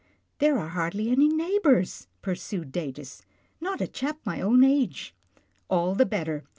" There are hardly any neighbours," pursued Datus, " not a chap my own age." " All the better.